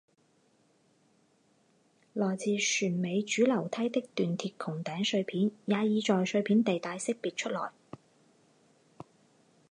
来自船尾主楼梯的锻铁穹顶碎片也已在碎片地带识别出来。